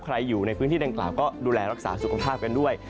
อยู่ในพื้นที่ดังกล่าวก็ดูแลรักษาสุขภาพกันด้วย